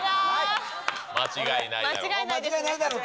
間違いないだろうと。